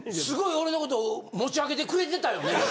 すごい俺のこと持ち上げてくれてたよね？